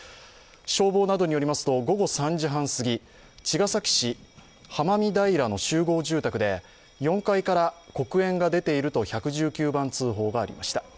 消防などによりますと午後３時半すぎ、茅ヶ崎市浜見平の集合住宅で４階から黒煙が出ていると１１９番通報がありました。